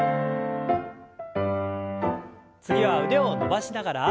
次は腕を伸ばしながら。